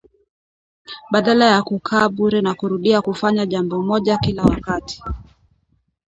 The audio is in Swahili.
Badala ya kukaka bure na kurudia kufanya jambo moja kila wakati